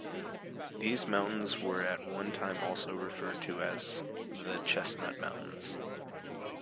These mountains were at one time also referred to as the "Chestnut Mountains".